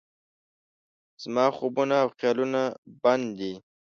زما خوبونه او خیالونه بند دي